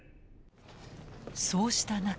そうした中。